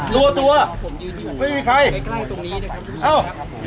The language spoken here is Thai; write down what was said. ตัวตัวไม่มีใครใกล้ใกล้ตรงนี้นะครับเอ้า